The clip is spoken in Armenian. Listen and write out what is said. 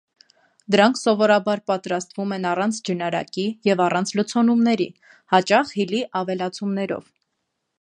Դրանք սովորաբար պատրաստվում են առանց ջնարակի և առանց լցոնումների, հաճախ հիլի ավելացումներով։